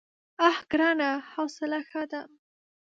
_اه ګرانه! حوصله ښه ده.